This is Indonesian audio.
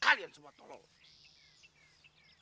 kalian semua tolong